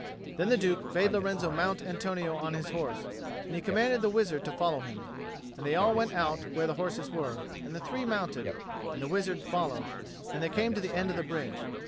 Then the Duke bade Lorenzo mount Antonio on his horse; and he commanded the wizard to follow him; and they all went out where the horses were; and the three mounted, and the wizard followed; and they came to the end of the bridge.